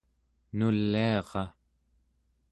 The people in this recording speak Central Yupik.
nuliara